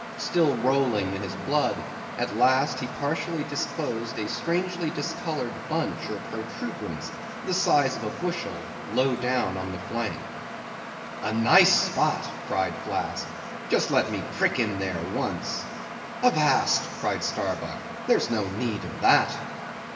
Still rolling in his blood, at last he partially disclosed a strangely discoloured bunch or protuberance, the size of a bushel, low down on the flank. "A nice spot," cried Flask; "just let me prick him there once." "Avast!" cried Starbuck, "there's no need of that!"